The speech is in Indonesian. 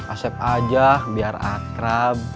asep aja biar akrab